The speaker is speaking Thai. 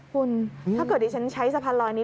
คุณถ้าเกิดดิฉันใช้สะพานลอยนี้